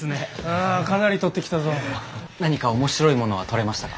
何か面白いものは採れましたか？